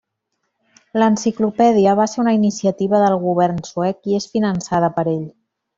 L'enciclopèdia va ser una iniciativa del govern suec i és finançada per ell.